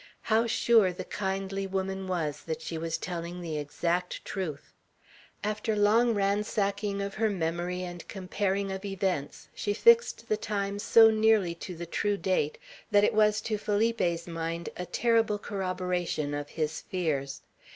How sure the kindly woman was that she was telling the exact truth. After long ransacking of her memory and comparing of events, she fixed the time so nearly to the true date, that it was to Felipe's mind a terrible corroboration of his fears.